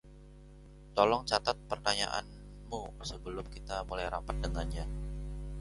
tolong catat pertanyaanmu sebelum kita mulai rapat dengannya